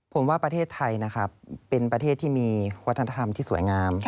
ผมว่าประเทศไทยนะครับเป็นประเทศที่มีวัฒนธรรมที่สวยงาม